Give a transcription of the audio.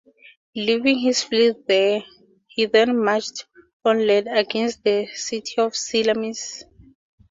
Leaving his fleet there, he then marched on land against the city of Salamis.